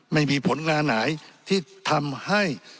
ไม่มีผลงานไหนที่ทำให้